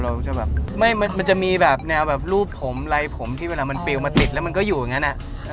เราก็จะแบบมันจะมีแบบแนวแบบรูปผมไร้ผมที่มันเปลี่ยวมาติดแล้วมันก็อยู่อย่างเนี้ย